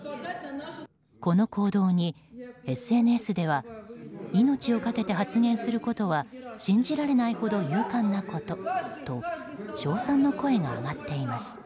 この行動に、ＳＮＳでは命をかけて発言することは信じられないほど勇敢なことと称賛の声が上がっています。